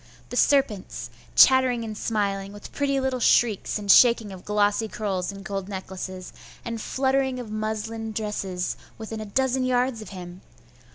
The serpents! chattering and smiling, with pretty little shrieks and shaking of glossy curls and gold necklaces, and fluttering of muslin dresses, within a dozen yards of him!